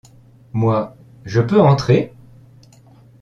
Moi : Je peux entrer ?